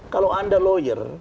kalau anda peguam